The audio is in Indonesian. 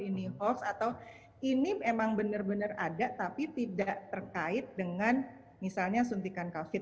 ini hoax atau ini memang benar benar ada tapi tidak terkait dengan misalnya suntikan covid